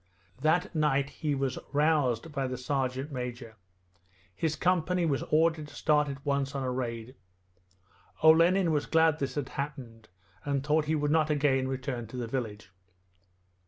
That night he was roused by the sergeant major. His company was ordered to start at once on a raid. Olenin was glad this had happened, and thought he would not again return to the village.